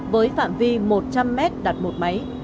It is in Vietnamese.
với phạm vi một trăm linh mét đặt một máy